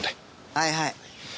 はいはい。